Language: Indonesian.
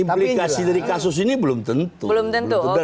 implikasi dari kasus ini belum tentu